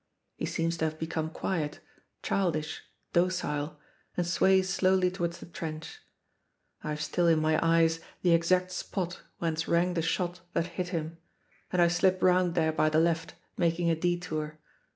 He seems to have become quiet, childish, docile; and sways slowly towards the trench. I have still in my eyes the exact spot whence rang the shot that hit him, and I slip round there by the left, making a detour.